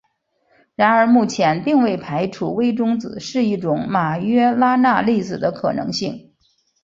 然而目前并未排除微中子是一种马约拉纳粒子的可能性。